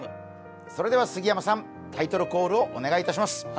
それでは杉山さん、タイトルコールをお願いします。